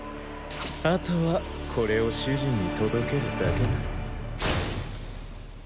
あとはこれを主人に届けるだけだ。